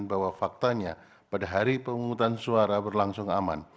bahwa faktanya pada hari pemungutan suara berlangsung aman